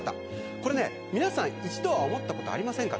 これね、皆さん一度は思ったことありませんか。